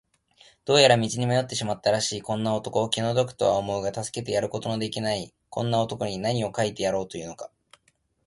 どうやら道に迷ってしまったらしいこんな男、気の毒とは思うが助けてやることのできないこんな男に、なにを書いてやろうというのか。